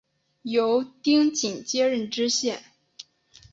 由丁谨接任知县。